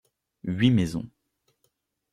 Huit maisons.